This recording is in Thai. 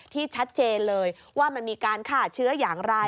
ที่ชัดเจนเลยว่ามันมีการฆ่าเชื้ออย่างไร